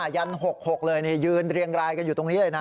ยัน๖๖เลยยืนเรียงรายกันอยู่ตรงนี้เลยนะ